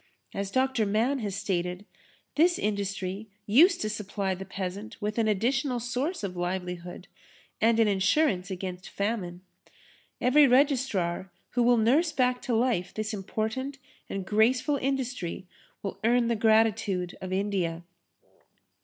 As Dr. Mann has stated, this industry used to supply the peasant with an additional source of livelihood and an insurance against famine. Every registrar who will nurse back to life this important and graceful industry will earn the gratitude of India.